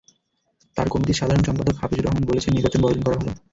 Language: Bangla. তাঁর কমিটির সাধারণ সম্পাদক হাফিজুর রহমান বলেছেন, নির্বাচন বর্জন করা ভালো।